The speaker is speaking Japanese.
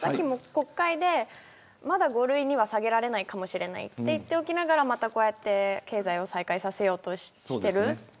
国会でまだ５類には下げられないかもしれないと言っておきながらまたこうやって経済を再開させようとしている。